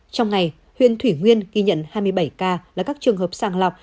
trong ngày huyện thủy nguyên ghi nhận hai mươi bảy ca là các trường hợp sàng lọc